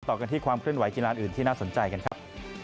กันที่ความเคลื่อนไหกีฬาอื่นที่น่าสนใจกันครับ